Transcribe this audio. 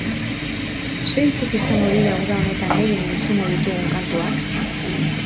Zein izango dira uda honetan gehien entzungo ditugun kantuak?